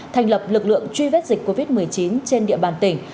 thành lập lực lượng truy vết dịch covid một mươi chín trên địa bàn tỉnh